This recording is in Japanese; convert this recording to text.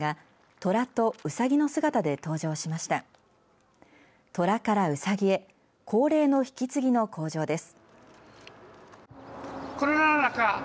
虎からうさぎへ恒例の引き継ぎの口上です。